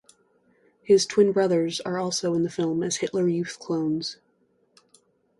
His twin brothers are also in the film as Hitler Youth clones.